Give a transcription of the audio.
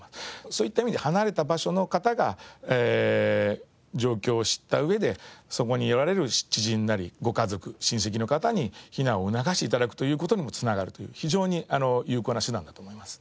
そういった意味で離れた場所の方が状況を知った上でそこにおられる知人なりご家族親戚の方に避難を促して頂くという事にも繋がるという非常に有効な手段だと思います。